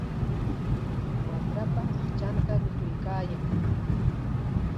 Wamrapa aqchanta rutuykaayan.